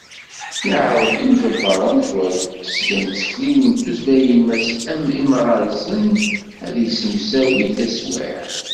Yeɛreḍ yimḍebber amezwaru n tesga n tsekliwin d tutlayin Mass M. Imarazen ad yessemsawi taswiɛt.